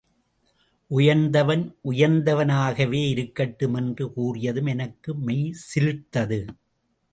உயர்ந்தவன் உயர்ந்தவனாகவே இருக்கட்டும். என்று கூறியதும் எனக்கு மெய்சிலிர்த்தது.